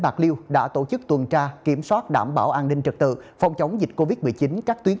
bạc liêu đã tổ chức tuần tra kiểm soát đảm bảo an ninh trật tự phòng chống dịch covid một mươi chín các tuyến